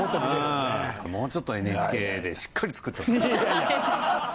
もうちょっとＮＨＫでしっかり作ってほしかった。